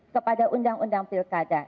kepada undang undang pilkada